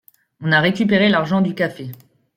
On a récupéré l’argent du café.